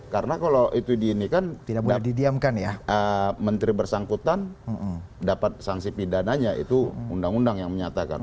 karena kalau itu di ini kan menteri bersangkutan dapat sanksi pidananya itu undang undang yang menyatakan